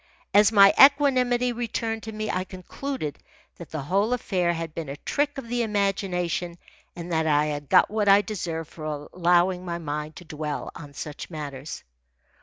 As my equanimity returned to me, I concluded that the whole affair had been a trick of the imagination and that I had got what I deserved for allowing my mind to dwell on such matters.